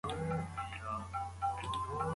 شوالیو به د خپلې عقیدې لپاره جګړه کوله.